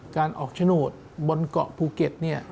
การออกโฉนดบนเกาะภูเก็ต